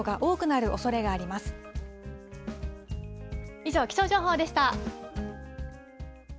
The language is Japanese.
以上、気象情報でした。